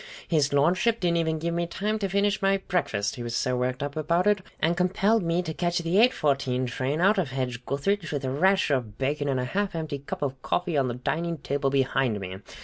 His Lordship didn't even give me time to finish my breakfast, he was so worked up about it, and compelled me to catch the eight fourteen train out of Hedge gutheridge, with a rasher of bacon and a half empty cup of coffee on the dining table behind me.